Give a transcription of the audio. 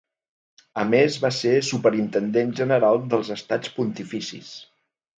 A més va ser superintendent general dels Estats Pontificis.